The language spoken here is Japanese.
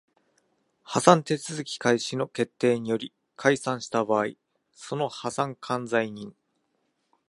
破産手続開始の決定により解散した場合その破産管財人